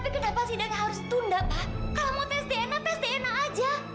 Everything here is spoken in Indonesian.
kalau mau tes dna tes dna saja